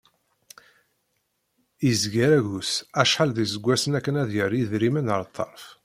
Izeyyeṛ agus acḥal d iseggasen akken ad yerr idrimen ar ṭṭerf.